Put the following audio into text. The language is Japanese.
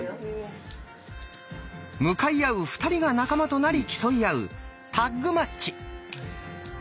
向かい合う２人が仲間となり競い合うタッグマッチ。